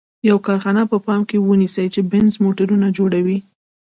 یوه کارخانه په پام کې ونیسئ چې بینز موټرونه جوړوي.